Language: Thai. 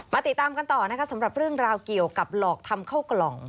ติดตามกันต่อนะคะสำหรับเรื่องราวเกี่ยวกับหลอกทำเข้ากล่อง